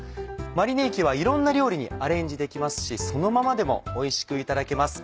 マリネ液はいろんな料理にアレンジできますしそのままでもおいしくいただけます。